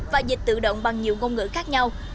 và dịch tự động bằng nhiều ngôn ngữ khác nhau